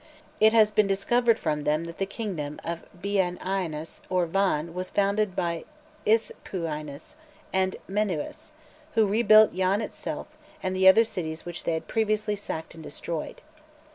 It has been discovered from them that the kingdom of Biainas or Van was founded by Ispuinis and Menuas, who rebuilt Yan itself and the other cities which they had previously sacked and destroyed.